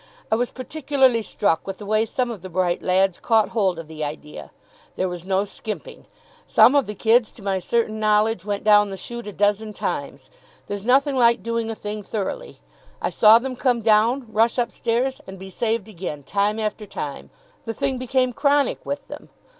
I was particularly struck with the way some of the bright lads caught hold of the idea. There was no skimping. Some of the kids, to my certain knowledge, went down the shoot a dozen times. There's nothing like doing a thing thoroughly. I saw them come down, rush upstairs, and be saved again, time after time. The thing became chronic with them.